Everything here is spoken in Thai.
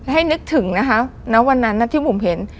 นึกถึงนะคะณวันนั้นที่บุ๋มเห็น